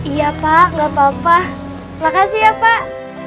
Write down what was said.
iya pak gak apa apa makasih ya pak